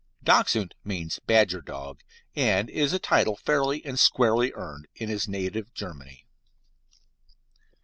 Dachshund means "badger dog," and it is a title fairly and squarely earned in his native Germany.